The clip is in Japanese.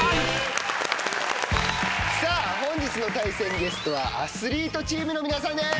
さあ本日の対戦ゲストはアスリートチームの皆さんです！